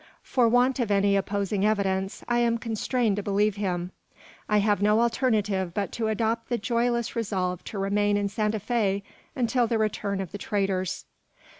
For want of any opposing evidence, I am constrained to believe him. I have no alternative but to adopt the joyless resolve to remain in Santa Fe until the return of the traders.